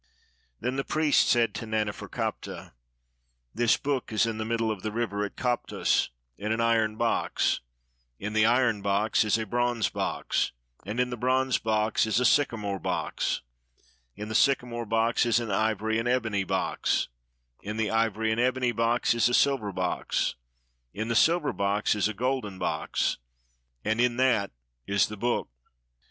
Then the priest said to Naneferkaptah, ''This book is in the middle of the river at Koptos, in an iron box; in the iron box is a bronze box; in the bronze box is a sycamore box; in the sycamore box is an ivory and ebony box; in the ivory and ebony box is a silver box; in the silver box is a golden box; and in that is the book.